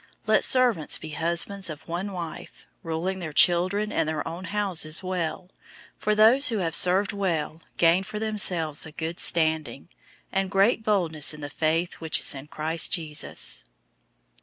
003:012 Let servants{or, deacons} be husbands of one wife, ruling their children and their own houses well. 003:013 For those who have served well{or, served well as deacons} gain for themselves a good standing, and great boldness in the faith which is in Christ Jesus.